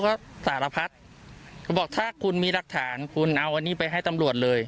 ก็สารพัดเขาบอกถ้าคุณมีหลักฐานคุณเอาอันนี้ไปให้ตำรวจเลย